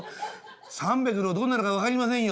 三百両どうなるか分かりませんよ」。